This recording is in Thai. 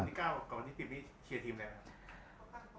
กว่าคนที่๙กับคนที่๑๐มีเชียรดทีมยังไง